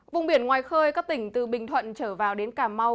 vùng biển ngoài khơi các tỉnh từ bình thuận trở vào đến cà mau